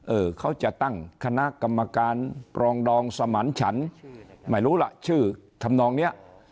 เออเขาจะตั้งคณะกรรมการปรองดองสมันฉันไม่รู้ล่ะชื่อทำนองเนี้ย